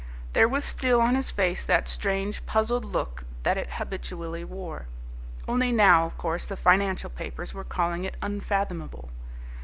There was still on his face that strange, puzzled look that it habitually wore, only now, of course, the financial papers were calling it "unfathomable."